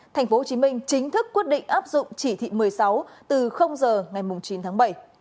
thành phố hồ chí minh chính thức quyết định áp dụng chỉ thị một mươi sáu từ giờ ngày chín tháng bảy